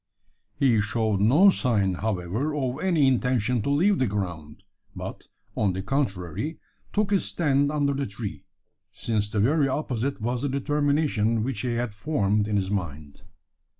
He showed no sign, however, of any intention to leave the ground; but, on the contrary, took his stand under the tree: since the very opposite was the determination which he had formed in his mind.